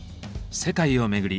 世界を巡り